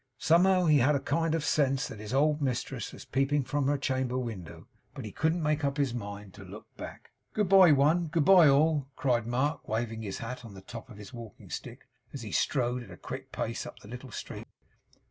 Somehow he had a kind of sense that his old mistress was peeping from her chamber window, but he couldn't make up his mind to look back. 'Good b'ye one, good b'ye all!' cried Mark, waving his hat on the top of his walking stick, as he strode at a quick pace up the little street.